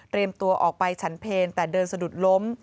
ตัวออกไปฉันเพลแต่เดินสะดุดล้ม